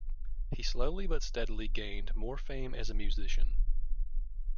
He slowly, but steadily, gained more fame as a musician.